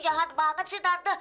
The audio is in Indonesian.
jahat banget sih tante